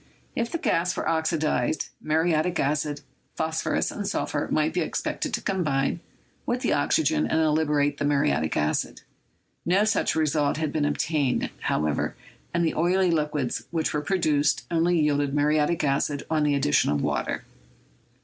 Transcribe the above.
If the gas were oxidized, mu riatic acid, phosphorus and sulphur might be expected to combine with the oxygen and liberate the muriatic acid; no such result had been obtained, however, and the oily liquids which were produced only yielded muriatic acid on the addition of v/ater.